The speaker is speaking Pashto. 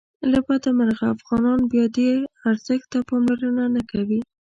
له بده مرغه افغانان بیا دې ارزښت ته پاملرنه نه کوي.